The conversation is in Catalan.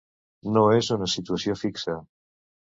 No és una situació fixa.